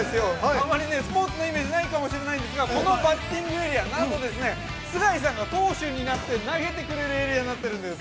あんまり、スポーツのイメージないかもしれませんがこのバッティングエリア、須貝さんが投手になって、投げてくれる投げてくれるエリアになっているんです。